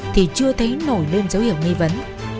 thì chưa thấy nổi lên dấu hiệu nghi vấn